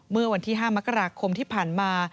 เมื่อวันที่๕มกราคมที่ผ่านมา